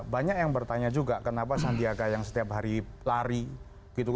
banyak yang bertanya juga kenapa sandiaga yang setiap hari lari gitu